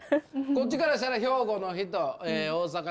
こっちからしたら兵庫の人大阪の人